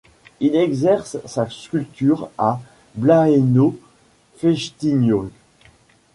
Il exerce sa sculpture à Blaenau Ffestiniog.